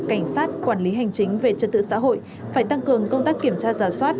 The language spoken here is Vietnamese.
cảnh sát quản lý hành chính về trật tự xã hội phải tăng cường công tác kiểm tra giả soát